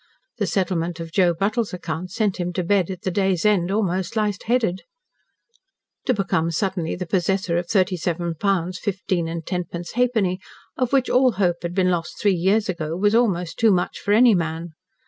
The settlement of Joe Buttle's account sent him to bed at the day's end almost light headed. To become suddenly the possessor of thirty seven pounds, fifteen and tenpence half penny, of which all hope had been lost three years ago, was almost too much for any man.